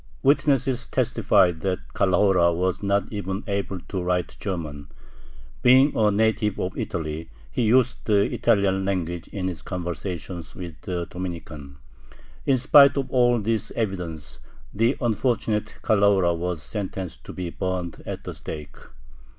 Witnesses testified that Calahora was not even able to write German. Being a native of Italy, he used the Italian language in his conversations with the Dominican. In spite of all this evidence, the unfortunate Calahora was sentenced to be burned at the stake.